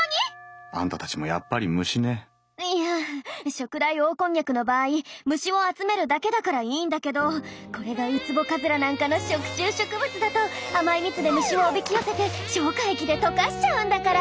ショクダイオオコンニャクの場合虫を集めるだけだからいいんだけどこれがウツボカズラなんかの食虫植物だと甘い蜜で虫をおびき寄せて消化液で溶かしちゃうんだから。